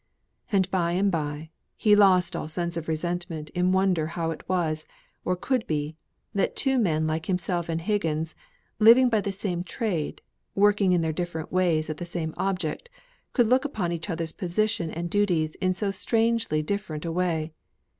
And by and bye, he lost all sense of resentment in wonder how it was, or could be, that two men like himself and Higgins, living by the same trade, working in their different ways at the same object, could look upon each other's position and duties in so strangely different a way.